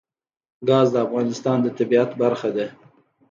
ګاز د افغانستان د طبیعت برخه ده.